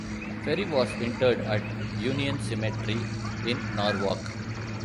Ferry was interred at Union Cemetery in Norwalk.